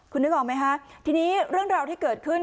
คุณนึกออกไหมคะทีนี้เรื่องราวที่เกิดขึ้น